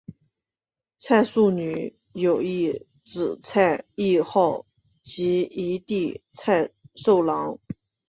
蔡素女有一姊蔡亦好及一弟蔡寿郎。